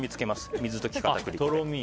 水溶き片栗粉。